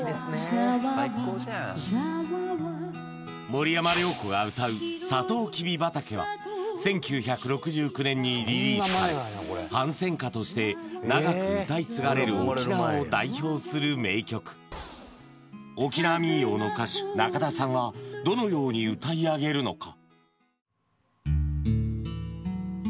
森山良子が歌う「さとうきび畑」は１９６９年にリリースされ反戦歌として長く歌い継がれる沖縄を代表する名曲沖縄民謡の歌手仲田さんはどのように歌い上げるのか？